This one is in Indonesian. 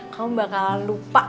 kamu bakal lupa